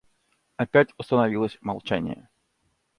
Опять установилось молчание.